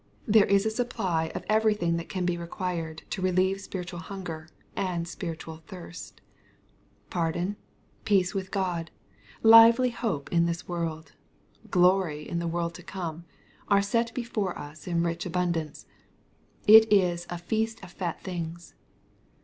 There is a supply of every thing that can be required to relieve spiritual hunger and spiritual thirst J Pardon, peace with God, lively hope in this world, glory in the world to come, are seif hefore us in rich abundance. It is ^^a feast of fat things."